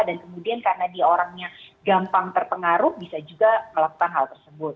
dan kemudian karena dia orangnya gampang terpengaruh bisa juga melakukan hal tersebut